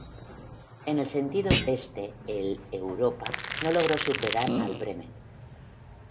En el sentido Este el "Europa" no logró superar al "Bremen".